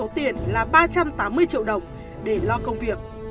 tiền là ba trăm tám mươi triệu đồng để lo công việc